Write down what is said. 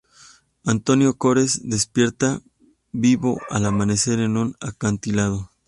Antonio Cores despierta, vivo, al amanecer, en un acantilado.